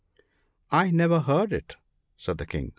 "* I never heard it/ said the King.